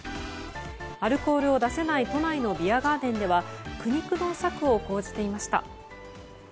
アルコールを出せない都内のビアガーデンでは苦肉の策を講じていました。